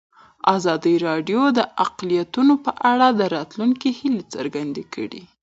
ازادي راډیو د اقلیتونه په اړه د راتلونکي هیلې څرګندې کړې.